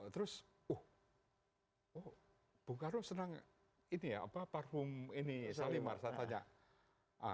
terus oh bung karno senang parfum salimar saya tanya